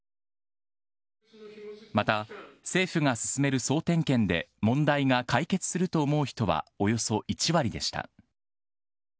また政府が進める総点検で、問題が解決すると思う人はおよそ１割でした。